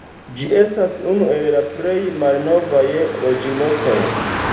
Ĝi estas unu el la plej malnovaj loĝlokoj.